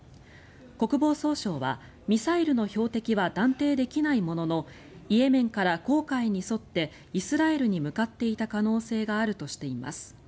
国防総省はミサイルの標的は断定できないもののイエメンから紅海に沿ってイスラエルに向かっていた可能性があるとしています。